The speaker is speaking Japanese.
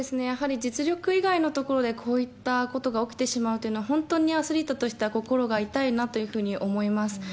やはり実力以外のところでこういったことが起きてしまうというのは、本当にアスリートとしては心が痛いなというふうに思います。